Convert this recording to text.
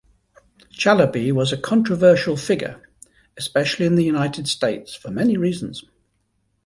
Chalabi was a controversial figure, especially in the United States, for many reasons.